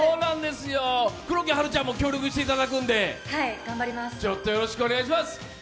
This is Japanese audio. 黒木華ちゃんも協力していただくんで、よろしくお願いします。